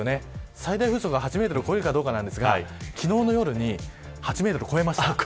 最大風速８メートルを超えるかどうかなんですが昨日の夜に８メートルを超えました。